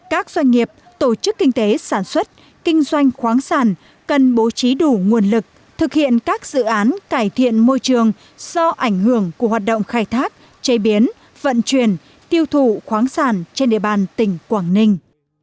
các doanh nghiệp tổ chức kinh tế sản xuất kinh doanh khoáng sản cần bố trí đủ nguồn lực thực hiện các dự án cải thiện môi trường do ảnh hưởng của hoạt động khai thác chế biến vận chuyển tiêu thụ khoáng sản trên địa bàn tỉnh quảng ninh